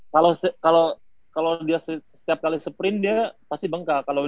kalau dia setiap kali sprint dia pasti bangga